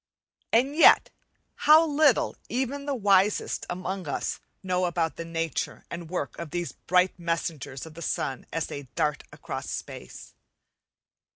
And yet how little even the wisest among us know about the nature and work of these bright messengers of the sun as they dart across space!